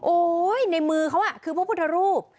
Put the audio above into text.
ในมือเขาคือพระพุทธรูป